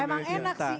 emang enak sih